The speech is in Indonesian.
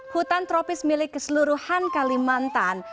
hutan tropis milik keseluruhan kalimantan